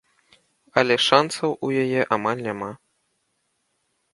Але шанцаў у яе амаль няма.